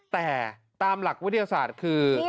แต่ตามหลักวิทยาศาสตร์คือ